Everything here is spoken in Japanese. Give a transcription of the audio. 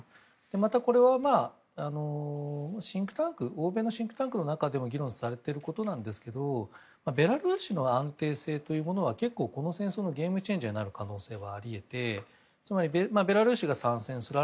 また、これは欧米のシンクタンクの中でも議論されていることなんですけどベラルーシの安定性というのは結構、この戦争のゲームチェンジャーになる可能性があるといわれていてつまり、ベラルーシが参戦する。